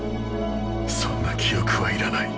そんな記憶はいらない。